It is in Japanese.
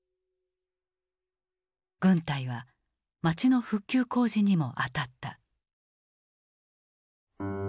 軍隊は街の復旧工事にも当たった。